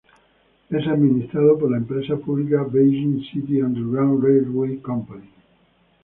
Es administrado por la empresa pública "Beijing City Underground Railway Company".